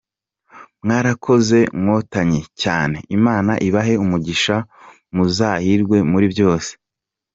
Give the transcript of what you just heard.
Mwarakoze Nkotanyi cyane, Imana ibahe umugisha muzahirwe muri byose.